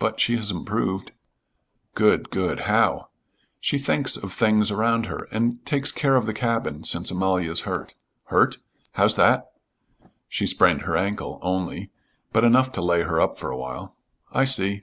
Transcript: "But she has improved." "Good, good. How?" "She thinks of things around her and takes care of the cabin since Amalia's hurt." "Hurt? How's that?" "She sprained her ankle only, but enough to lay her up for a while." "I see.